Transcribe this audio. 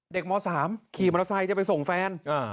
เด็กหม้อสามขี่มอเตอร์ไซค์จะไปส่งแฟนอ่า